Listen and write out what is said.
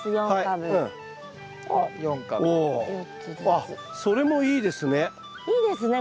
あっそれもいいですね。